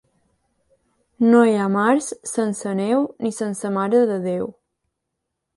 No hi ha març sense neu ni sense Mare de Déu.